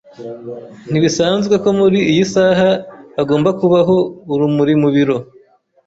Ntibisanzwe ko muri iyi saha hagomba kubaho urumuri mu biro.